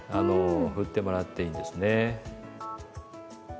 振ってもらっていいですね。